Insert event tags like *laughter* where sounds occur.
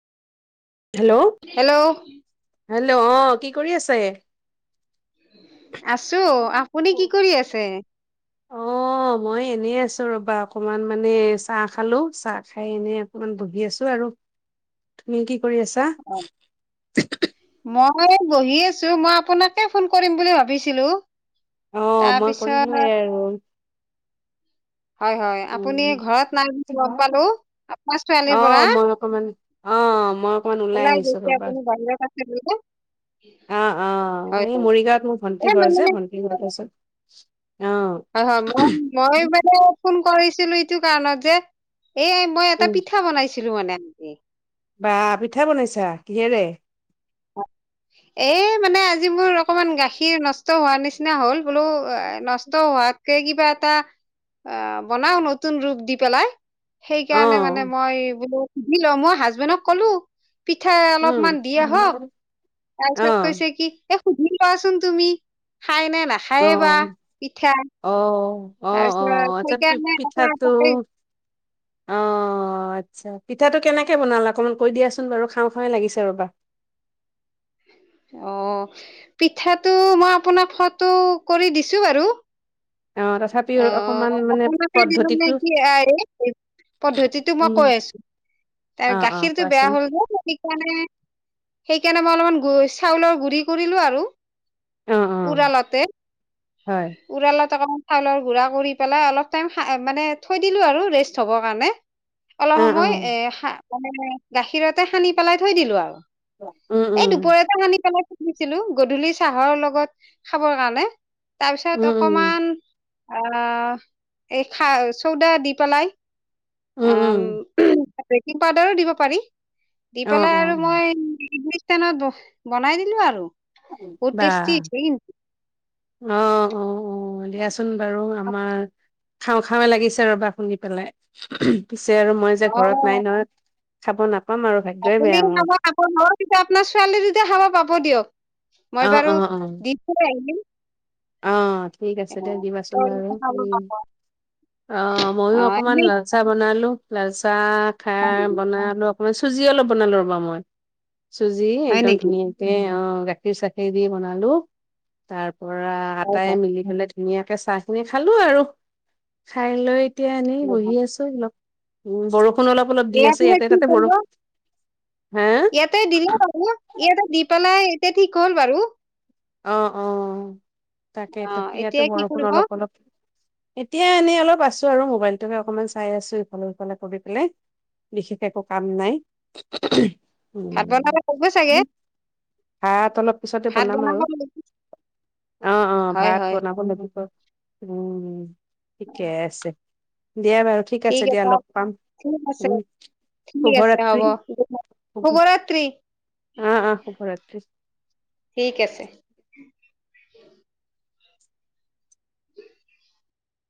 Hello, hello অ কি কৰি আছে এ? আছো, আপুনি কি কৰি আছে? অ মই এনেই আছো ৰবা অকমান মানে চাহ খালো, চাহ খাই এনেই অকমান বহি আছো আৰু। তুমি কি কৰি আছা? মই বহি আছো, মই আপোনাকে ফোন কৰিম বুলি ভাবিছিলো। অ মই তাৰপিছত কৰিলোয়ে আৰু হয় হয় আপুনি উম, ঘৰত নাই বুলি গম পালো আপোনাৰ অ ছোৱালীৰ পৰা মই অকমান, অ মই অকমান ওলাই আহিছো গৈছে ৰবা। আপুনি বাহিৰত আছে বোলে আহ অ, হয় এই হয় মৰিগাঁৱত মোৰ ভন্টি এই ঘৰ যে, মানে ভন্টি ঘৰত আছোঁ। *unintelligible* হয় হয়, মই মই মানে ফোন কৰিছিলো ইটো কাৰণত যে এই মই এটা উম পিঠা বনাইছো ছিলো মানে *unintelligible* বা পিঠা বনাইছা, কিহেৰে? এ মানে আ যিবোৰ অকমান গাখীৰ নষ্ট ত হোৱাৰ নিচনা হ'ল বোলো আ নষ্ট হোৱাত তে কিবা এটা অঁ, বনাও নতুন ৰূপ দি পেলাই অ সেইকাৰণে মানে মই বোলো ল মই হাজবেনক কলো। পিঠা অলপমান উম দি আহক অ তাৰপিছত কৈছে কি এই সুধি লোৱা চোন তুমি। খায় নে নেখায়ে বা পিঠা *inaudible* অঁ তাৰপিছত আচ্ছা সেইকাৰণে এটা এটাকে পিঠাটো কেনেকে বনালা অকণমান কৈ দিয়াচোন বাৰু? খাওঁ খাওঁ লাগিছে ৰ'বা অ' পিঠাটো মই আপোনাক ফটো কৰি দিছো বাৰু। অ', তথাপিও অ, অকমান মানে অকমান দিন *unintelligible* নে পদ্ধতিটো কি এই পদ্ধতিটো ম উম, এ অ', অ', গাখীৰটো বেয়া কোৱাচোন। হ'ল যে সেইকাৰণে। সেইকাৰণে মই অলমান গু চাউলৰ গুৰি কৰিলো আৰু। অ', অ', হয়, উৰাল ত চাউলৰ গুৰা কৰি পেলাই অলপ টাইম হা মানে থৈ দিলো আৰু ৰেষ্ট হ'বৰ কাৰণে। অ', অলপ সময় অ', এ তাৰ মানে গাখীৰতে সানি পেলাই থৈ দিলো আৰু। উম, উম, এই দুপৰীয়াটে সানি পেলাই দিছিলো গধূলি চাহৰ লগত খাবৰ কাৰণে। তাৰপিছত উম, উম, অকমান আহ এই খা চৌদা দি পেলাই উম, উম, আম উমহ বেকিং পাউদাৰো দিব পাৰি। দি অ', পেলাই আৰু অ', মই তেনেদৰে বহ বনাই দিলো আৰু। বহুত টেষ্টি বাহ! আছিলে কিন্তু অ, অ' দিয়াচোন বাৰু আমাৰ খাওঁ খাওঁ য়ে লাগিছে ৰবা শুনি পেলাই। উমহ পিছে আৰু মই যে অ ঘৰত নাই নহয়। খাব নাপ আপুনি মানে আপোনাৰ ছোৱালী দুটাই খাব পাব দিয়ক, মই অ', বাৰু অ', অ'। দি থৈ আহিম। অ'। ঠিক আছে দে অ' দিবাচোন তই বাৰু খাব উম। পাব। অ অ, মইয়ো অকমান এনেই লাল চাহ বনালো। লাল চাহ হয় খাই নেকি বনালো মই চুজি অলপ বনালোঁ ৰ'বা মই। চুজি হয় একদম নেকি? ধুনীয়াকে, অ'! গাখীৰ চাখীৰ দি বনালোঁ। তাৰপৰা পৰা আটাই হয় মিলি পেলাই ধুনীয়াকে চাহ খিনি খালো‍ঁ আৰু, খাই লৈ এতিয়া এনেই বহি আছোঁ, অলপ দেৰি। উম বৰষুণ অলপ অলপ দি আছে দিয়াটো ইয়াতে কি তাতে কৰিব? বৰষুণ হা ইয়াতে দিলে বাৰু, ইয়াতে দি পেলাই এয়া ঠিক হ'ল বাৰু। অ! অ! তাকেই তো, অ' ইয়াততো এতিয়া কি বৰষুণ কৰিব অলপ অলপ এতিয়া এনেই অলপ আছোঁ আৰু মোবাইলটোহে অকমান চাই আছোঁ, ইফালে সিফালে কৰি পেলাই। বিশেষ একো কাম নাই। ভাত বনাব কৰিব চাগে? হা তলত পিছতে ভাত বনাম আৰু। বনাব লাগিব অ' অ' হয় ভাত হয় বনাব লাগিব। উম! হয়। ঠিকে আছে। দিয়া বাৰু ঠিক আছে দিয়া। লগ পাম, ঠিক আছে উম! ঠিক আছে হ'ব শুভৰাত্ৰি। শুভৰাত্ৰি অ' অ' শুভৰাত্ৰি। ঠিক আছে